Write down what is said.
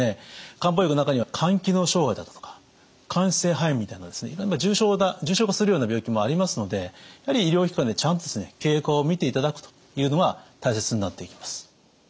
漢方薬の中には肝機能障害だとか間質性肺炎みたいな重症化するような病気もありますのでやはり医療機関でちゃんと経過を見ていただくというのが大切になっていきます。